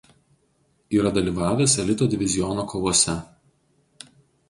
Yra dalyvavęs elito diviziono kovose.